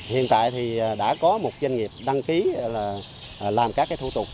hiện tại thì đã có một doanh nghiệp đăng ký là làm các thủ tục